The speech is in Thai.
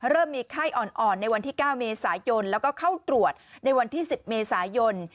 เริ่มมีไข้อ่อนในวันที่๙เมษายนแล้วก็เข้าตรวจในวันที่๑๐เมษายน